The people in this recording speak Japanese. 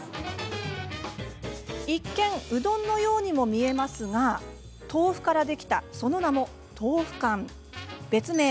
一見うどんのようにも見えますが豆腐からできたその名も豆腐干です。